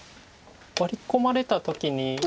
ワリ込まれた時に。